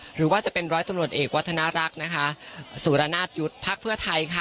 หรือว่าจะเป็นร้อยตำรวจเอกวัฒนารักษ์นะคะสุรนาศยุทธ์พักเพื่อไทยค่ะ